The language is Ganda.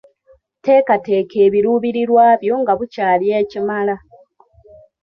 Teekateeka ebiruubirirwa byo nga bukyali ekimala.